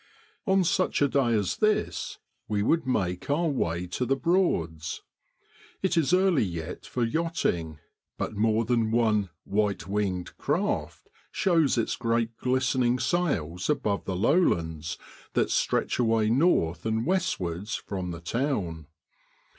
On such a day as this we would make our way to the Broads. It is early yet for yachting, but more than one ' white winged ' craft shows its great glistening sails above the lowlands that stretch away north and westwards from the town.